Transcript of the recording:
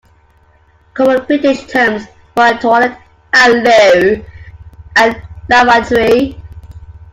Common British terms for a toilet are loo and lavatory